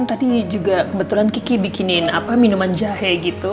tadi juga kebetulan kiki bikinin minuman jahe gitu